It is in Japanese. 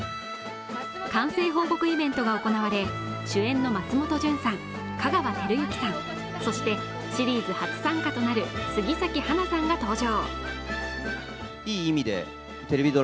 完成報告イベントが行われ主演の松本潤さん、香川照之さん、そしてシリーズ初参加となる杉咲花さんが登場。